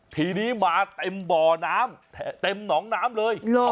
ทีนี้มาเต็มบ่อน้ำเต็มหนองน้ำเลย